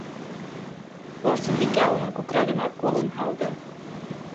- Барсынбикә уның күкрәгенә ҡулын һалды.